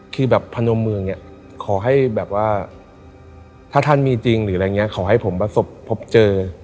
คือแบบพนมเมืองอย่างนี้ขอให้แบบว่าถ้าท่านมีจริงหรืออะไรอย่างนี้ขอให้ผมประสบพบเจอ